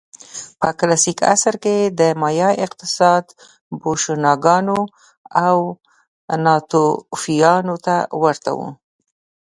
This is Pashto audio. په کلاسیک عصر کې د مایا اقتصاد بوشونګانو او ناتوفیانو ته ورته و